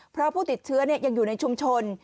เพราะผู้ติดเชื้อยังอยู่ในชุมชน